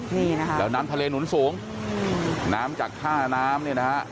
นี่นะคะแล้วน้ำทะเลหนุนสูงน้ำจากท่าน้ำเนี่ยนะฮะ